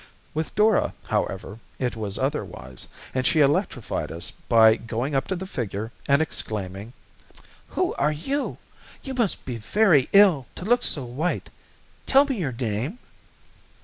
With Dora, however, it was otherwise, and she electrified us by going up to the figure, and exclaiming: "Who are you? You must feel very ill to look so white. Tell me your name."